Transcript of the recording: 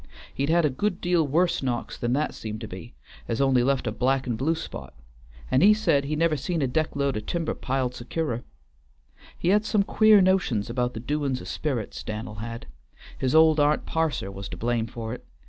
He'd had a good deal worse knocks than that seemed to be, as only left a black and blue spot, and he said he never see a deck load o' timber piled securer. He had some queer notions about the doin's o' sperits, Dan'l had; his old Aunt Parser was to blame for it.